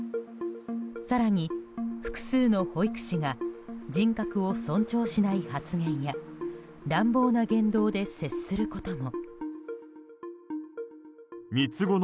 更に、複数の保育士が人格を尊重しない発言や乱暴な言動で接することも。